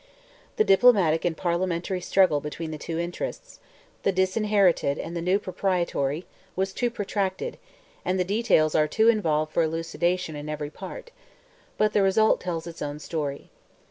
The diplomatic and parliamentary struggle between the two interests, the disinherited and the new proprietory, was too protracted, and the details are too involved for elucidation in every part; but the result tells its own story.